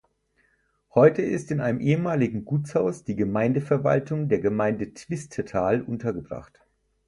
Heute ist in einem ehemaligen Gutshaus die Gemeindeverwaltung der Gemeinde Twistetal untergebracht.